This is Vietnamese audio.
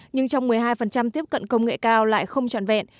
nhưng trong một mươi hai tiếp cận công nghệ cao lại không trọn vẹn